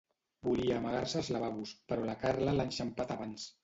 Volia amagar-se als lavabos, però la Carla l'ha enxampat abans.